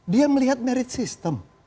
dia melihat merit system